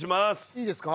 いいですか？